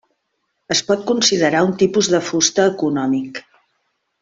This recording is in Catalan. Es pot considerar un tipus de fusta econòmic.